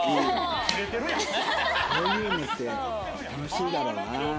こういうのって楽しいだろうな。